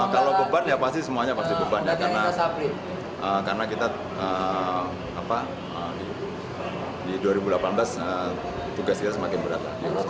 kalau beban ya pasti semuanya pasti beban ya karena kita di dua ribu delapan belas tugas kita semakin berat